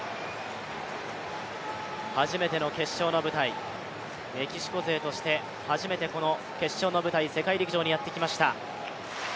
初めての決勝の舞台、メキシコ勢として初めてこの決勝の舞台、世界陸上にやってきました。